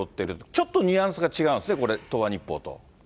ちょっとニュアンスが違うんですね、これ、東亜日報と。